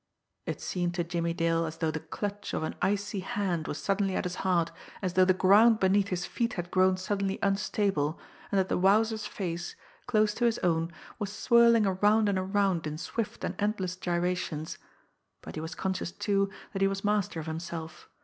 It seemed to Jimmie Dale as though the clutch of an icy hand was suddenly at his heart, as though the ground beneath his feet had grown suddenly unstable and that the Wowzer's face, close to his own, was swirling around and around in swift and endless gyrations but he was conscious, too, that he was master of himself.